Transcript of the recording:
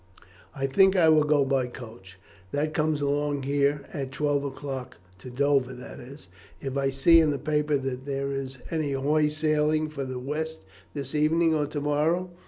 "I think I will go by the coach, that comes along here at twelve o'clock, to Dover; that is, if I see in the paper that there is any hoy sailing for the west this evening or to morrow.